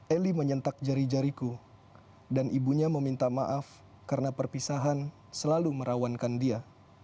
eli menyentak jari jariku dan ibunya meminta maaf karena perpisahan selalu merawankan dia